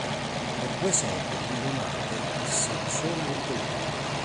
Per due secoli Lonate visse di sola agricoltura.